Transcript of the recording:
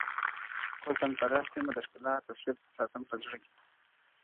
حُسن پرست یم د ښکلا تصویر ساتم په زړه کي,